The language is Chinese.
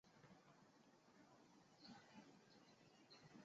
葱叶兰为兰科葱叶兰属下的一个种。